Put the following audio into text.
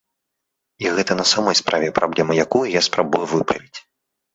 І гэта на самой справе праблема, якую я спрабую выправіць.